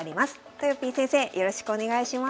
とよぴー先生よろしくお願いします。